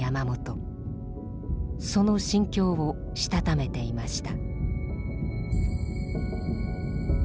その心境をしたためていました。